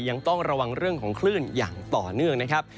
ยังต้องระวังเรื่องของคลื่นอย่างต่อเนื่องนะครับ